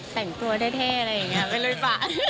แต่งตัวเท่อะไรอย่างนี้ไปลุยปาก